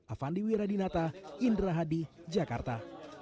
avandi wiradinata indra hadi jakarta